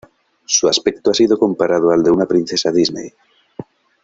Su aspecto ha sido comparado al de una princesa Disney.